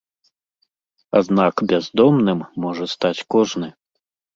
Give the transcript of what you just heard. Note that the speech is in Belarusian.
Аднак бяздомным можа стаць кожны.